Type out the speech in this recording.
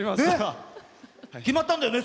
決まったんだよね